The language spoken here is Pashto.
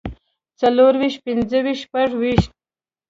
څلورويشت پنځويشت شپږويشت